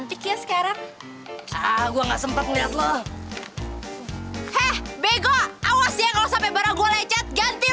iya enak banget